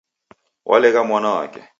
W'alegha mwana wake